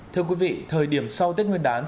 thưa quý vị thời điểm sau tết nguyên đán